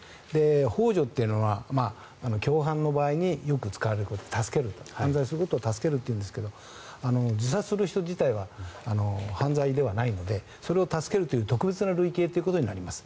ほう助っていうのは共犯の場合によく使われる言葉助ける、犯罪することを助けるというんですが自殺する人自体は犯罪ではないのでそれを助けるという特別な類型ということになります。